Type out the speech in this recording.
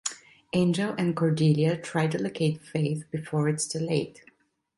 Angel and Cordelia try to locate Faith before it's too late.